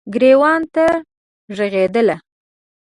ګریوان ته ږغیدله